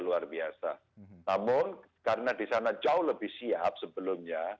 namun karena di sana jauh lebih siap sebelumnya